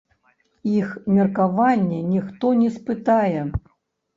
Іх меркаванне ніхто не спытае.